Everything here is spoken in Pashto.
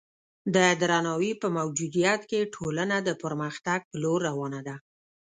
د درناوي په موجودیت کې ټولنه د پرمختګ په لور روانه ده.